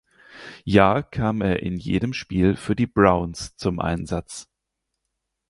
Jahr kam er in jedem Spiel für die Browns zum Einsatz.